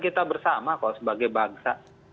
kita bersama kok sebagai bangsa